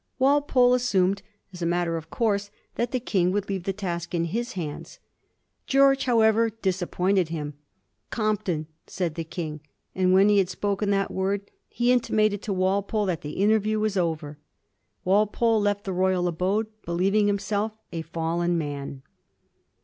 Walpole assumed as a matter of course that the King would leave the task in his hands. Geoige, however, dis appointed him. ^ Compton,' said the King ; and when he had spoken that word he intimated to Walpole that the interview was over. Walpole left the royal abode believing himself a fallen man.